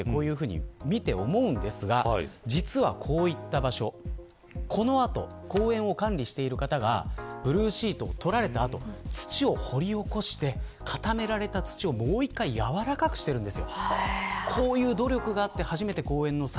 あれも良くないんじゃないかなとこういうふうに見て思うんですが実は、こういった場所この後、公園を管理している方がブルーシートを取られた後土を掘り起こして固められた土をもう一度柔らかくしてるいんです。